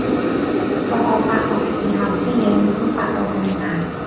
到我發覺嘅時候，啲嘢已經發到咁大